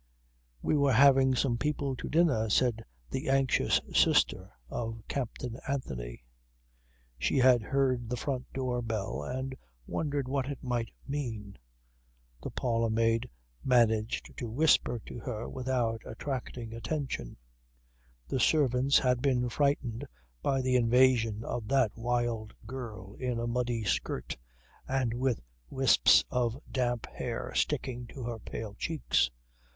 "We were having some people to dinner," said the anxious sister of Captain Anthony. She had heard the front door bell and wondered what it might mean. The parlourmaid managed to whisper to her without attracting attention. The servants had been frightened by the invasion of that wild girl in a muddy skirt and with wisps of damp hair sticking to her pale cheeks.